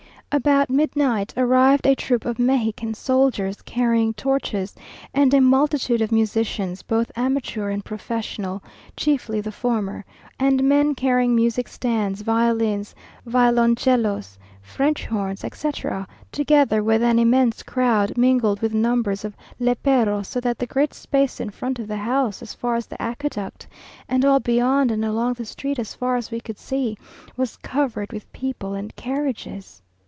About midnight arrived a troop of Mexican soldiers, carrying torches, and a multitude of musicians, both amateur and professional, chiefly the former, and men carrying music stands, violins, violoncellos, French horns, etc., together with an immense crowd, mingled with numbers of léperos, so that the great space in front of the house as far as the aqueduct, and all beyond and along the street as far as we could see, was covered with people and carriages.